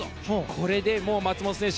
これで松元選手